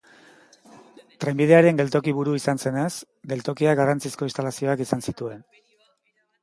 Trenbidearen geltoki-buru izan zenez, geltokiak garrantzizko instalazioak izan zituen.